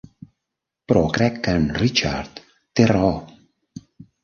Però crec que en Richard té raó.